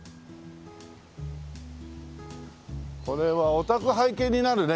これはお宅拝見になるね